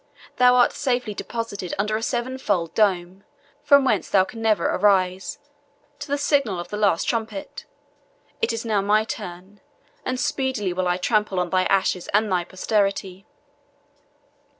Thou art safely deposited under a seven fold dome, from whence thou canst never arise till the signal of the last trumpet. It is now my turn, and speedily will I trample on thy ashes and thy posterity."